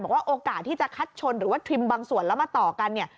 โอกาสที่จะคัดชนหรือว่าทริมบางส่วนแล้วมาต่อกันเนี่ย